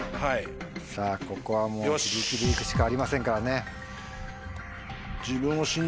さぁここはもう自力で行くしかありませんからね。